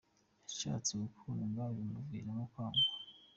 Yashatse gukundwa bimuviramo kwangwa